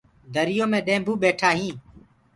دريو مي ڏيمڀُو ٻيٺآ هينٚ۔